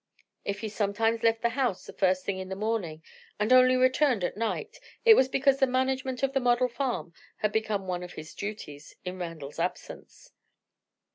If he sometimes left the house the first thing in the morning, and only returned at night, it was because the management of the model farm had become one of his duties, in Randal's absence.